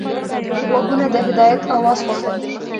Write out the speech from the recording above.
غوږونه د هدایت اواز خوښوي